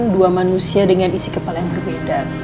dua manusia dengan isi kepala yang berbeda